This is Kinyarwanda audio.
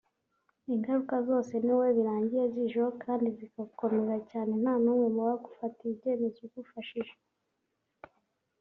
Ingaruka zose ni wowe birangira zijeho kandi zikagukomerera cyane nta n’umwe mu bagufatiye ibyemezo ugufashije